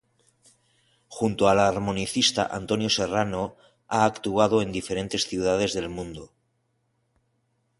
Junto al armonicista Antonio Serrano, ha actuado en diferentes ciudades del mundo.